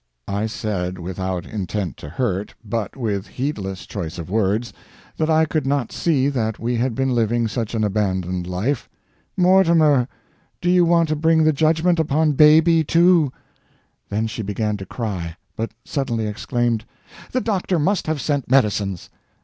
I said, without intent to hurt, but with heedless choice of words, that I could not see that we had been living such an abandoned life. "Mortimer! Do you want to bring the judgment upon Baby, too!" Then she began to cry, but suddenly exclaimed: "The doctor must have sent medicines!"